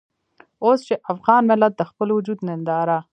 اوس چې افغان ملت د خپل وجود ننداره.